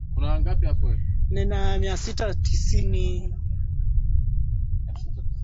serikali ya brazil inaweka mpango mkakati madhubuti utakaowezesha